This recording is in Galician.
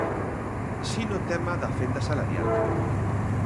Si no tema da fenda salarial.